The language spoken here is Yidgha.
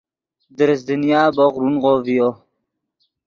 درست دنیا بوق رونغو ڤیو